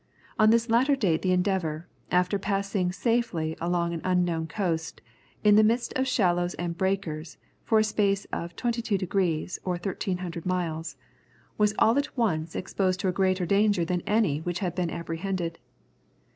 On this latter date the Endeavour, after passing safely along an unknown coast, in the midst of shallows and breakers, for a space of 22 degrees or 1300 miles, was all at once exposed to a greater danger than any which had been apprehended.